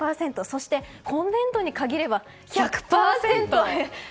そして、今年度に限れば１００％。